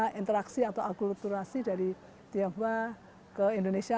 banyak interaksi atau akulturasi dari tiafua ke indonesia